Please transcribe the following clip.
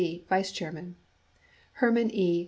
vice chairman; Herman E.